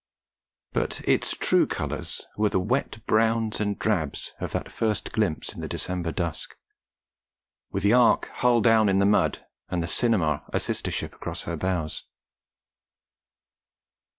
But its true colours were the wet browns and drabs of that first glimpse in the December dusk, with the Ark hull down in the mud, and the cinema a sister ship across her bows.